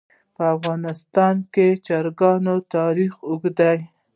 په افغانستان کې د چرګانو تاریخ اوږد دی.